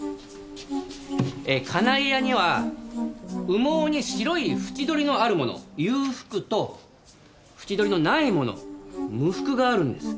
カナリアには羽毛に白い縁取りのあるもの有覆と縁取りのないもの無覆があるんです。